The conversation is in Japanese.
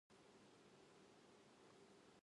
推し活はほどほどにね。